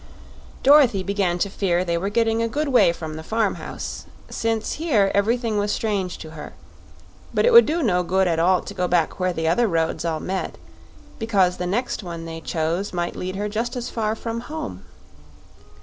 Dorothy began to fear they were getting a good way from the farm house, since here everything was strange to her; but it would do no good at all to go back where the other roads all met, because the next one they chose might lead her just as far from home.